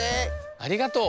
ありがとう。